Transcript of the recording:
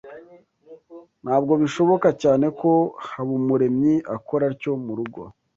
Ntabwo bishoboka cyane ko Habumuremyi akora atyo murugo